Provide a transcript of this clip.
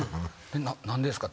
「何でですか？」